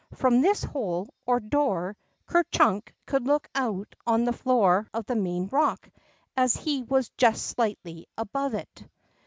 From this hole, or door, Ker Chunk could look out on the floor of the main rock, as he was just slightly above it.